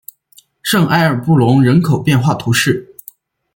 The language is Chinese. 圣埃尔布隆人口变化图示